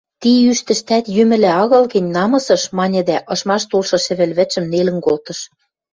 – Ти ӱштӹштӓт йӱмӹлӓ агыл гӹнь, намысыш, – маньы дӓ ышмаш толшы шӹвӹльвӹдшӹм нелӹн колтыш.